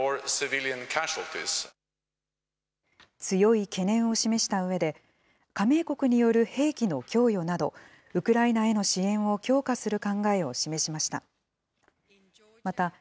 強い懸念を示したうえで、加盟国による兵器の供与など、ウクライナへの支援を強化する考えを示しました。